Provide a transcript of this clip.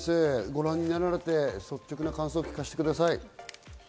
ご覧になられて、率直な関係を聞かせてください。